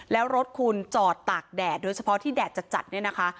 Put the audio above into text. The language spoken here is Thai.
แล้วรถคุณจอดตากแดดโดยเฉพาะที่แดดจัดเนี่ยนะคะ